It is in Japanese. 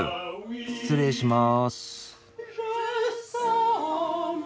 失礼します。